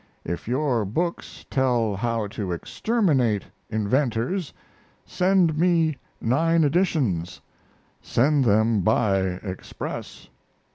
If your books tell how to exterminate inventors send me nine editions. Send them by express.